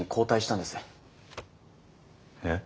えっ。